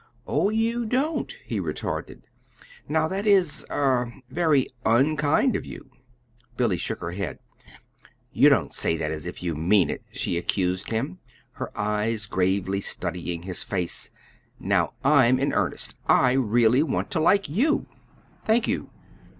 "Oh, you don't," he retorted. "Now that is er very UNkind of you." Billy shook her head. "You don't say that as if you meant it," she accused him, her eyes gravely studying his face. "Now I'M in earnest. I really want to like YOU!" "Thank you.